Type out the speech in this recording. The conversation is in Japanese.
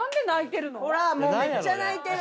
ほらっめっちゃ泣いてる。